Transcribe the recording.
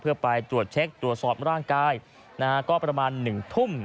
เพื่อไปตรวจเช็คตรวจสอบร่างกายก็ประมาณ๑ทุ่ม